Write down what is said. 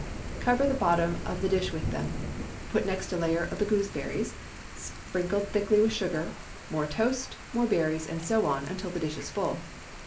Cover the bottom of the dish with them; put next a layer of the gooseberries, sprinkled thickly with sugar; more toast, more berries, and so on, until the dish is full.